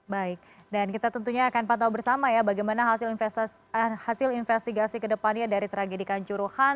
baik dan kita tentunya akan pantau bersama ya bagaimana hasil investigasi ke depannya dari tragedi kanjuruhan